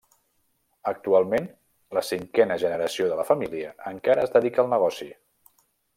Actualment la cinquena generació de la família encara es dedica al negoci.